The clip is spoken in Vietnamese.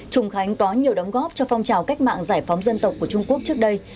trùng khánh có nhiều đóng góp cho phong trào cách mạng giải phóng dân tộc của trung quốc trước đây